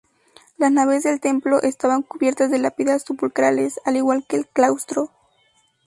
Las naves del templo estaban cubiertas de lápidas sepulcrales, al igual que el claustro.